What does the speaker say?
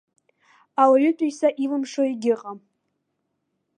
Ауаҩытәыҩса илымшо егьыҟаӡам.